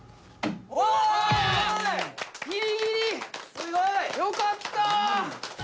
すごい！よかった！